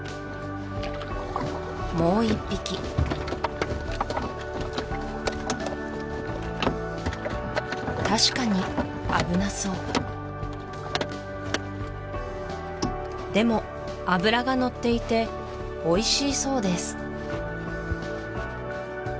もう一匹確かに危なそうでも脂がのっていておいしいそうです